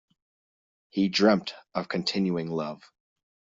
He dreamt of continuing love